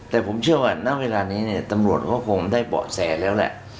แต่ผมเชื่อว่าณเวลานี้เนี่ยตำรวจก็คงได้เบาะแสแล้วแหละ